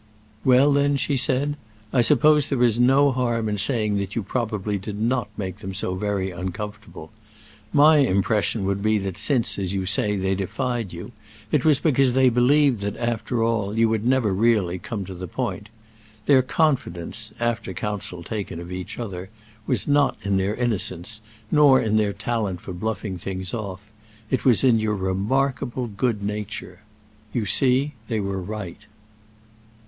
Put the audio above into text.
"Well then," she said, "I suppose there is no harm in saying that you probably did not make them so very uncomfortable. My impression would be that since, as you say, they defied you, it was because they believed that, after all, you would never really come to the point. Their confidence, after counsel taken of each other, was not in their innocence, nor in their talent for bluffing things off; it was in your remarkable good nature! You see they were right."